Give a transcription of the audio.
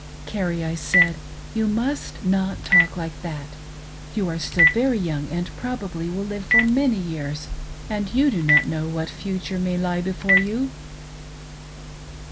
"Carrie," I said, "You must not talk like that. You are still very young and probably will live for many years, and you do not know what future may lie before you."